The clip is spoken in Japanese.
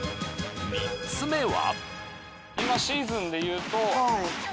３つ目は。